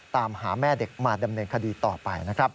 ตามหาแม่เด็กมาดำเนินคดีต่อไปนะครับ